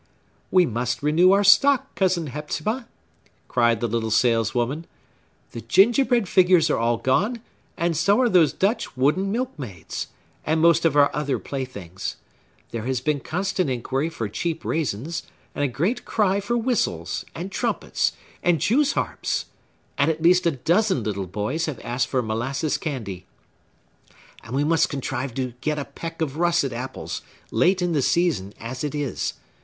"We must renew our stock, Cousin Hepzibah!" cried the little saleswoman. "The gingerbread figures are all gone, and so are those Dutch wooden milkmaids, and most of our other playthings. There has been constant inquiry for cheap raisins, and a great cry for whistles, and trumpets, and jew's harps; and at least a dozen little boys have asked for molasses candy. And we must contrive to get a peck of russet apples, late in the season as it is.